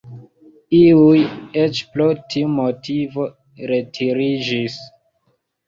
Iuj eĉ pro tiu motivo retiriĝis.